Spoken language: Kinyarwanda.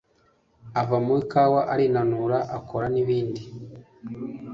ava mu ikawa arinanura akora nibindi